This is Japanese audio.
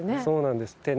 そうなんです。